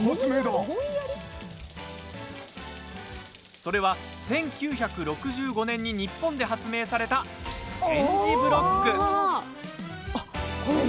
それは１９６５年に日本で発明された点字ブロック。